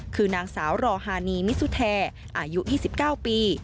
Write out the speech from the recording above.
คือนางสาวรอฮานีมิสุแทอายุ๒๙ปี